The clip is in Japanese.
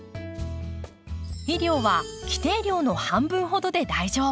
肥料は規定量の半分ほどで大丈夫。